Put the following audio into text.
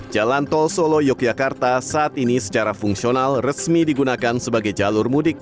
jalan tol solo yogyakarta saat ini secara fungsional resmi digunakan sebagai jalur mudik